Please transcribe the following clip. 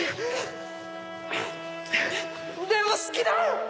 でも好きだ！